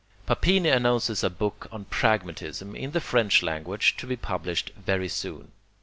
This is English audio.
Papini announces a book on Pragmatism, in the French language, to be published very soon.